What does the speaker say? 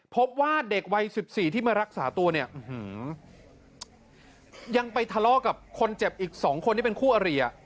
พบว่าเด็กวัยสิบสี่ที่มารักษาตัวเนี้ยอื้อหือยังไปทะเลาะกับคนเจ็บอีกสองคนที่เป็นคู่อเรีย